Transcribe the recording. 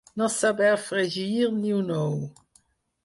No saber fregir ni un ou.